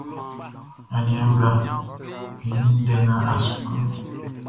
Aniaan bla, n wun ndɛ nga a su kanʼn.